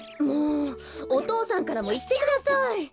もうお父さんからもいってください！